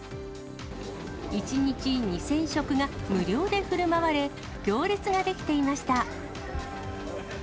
１日２０００食が無料でふるまわれ、行列が出来ていました。